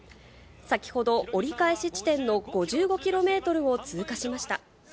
先ほど折り返し地点の５５キロメートルを通過しました。